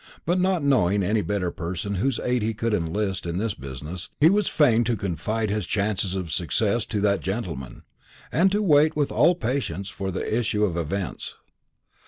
But not knowing any better person whose aid he could enlist in this business, he was fain to confide his chances of success to that gentleman, and to wait with all patience for the issue of events.